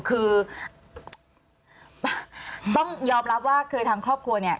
คือต้องยอมรับว่าเคยทางครอบครัวเนี่ย